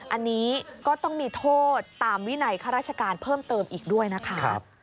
อันนี้ก็ต้องมีโทษตามวินัยข้าราชการเพิ่มเติมอีกด้วยนะคะ